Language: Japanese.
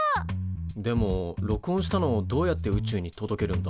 でも録音したのをどうやって宇宙に届けるんだ？